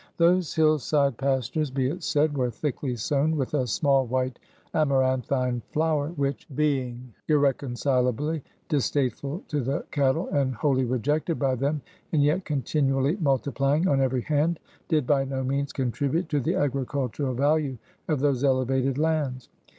Those hill side pastures, be it said, were thickly sown with a small white amaranthine flower, which, being irreconcilably distasteful to the cattle, and wholly rejected by them, and yet, continually multiplying on every hand, did by no means contribute to the agricultural value of those elevated lands.